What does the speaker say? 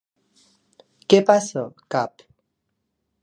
Què passa, cap?